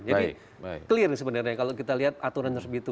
jadi clear sebenarnya kalau kita lihat aturan tersebut